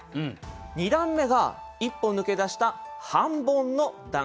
２段目が一歩抜け出した半ボンの段。